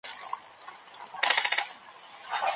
تاسي ولي د پښتو په معیار کي شک کړی دی؟